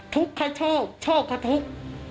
ทุกขาโชคโชคขาทุก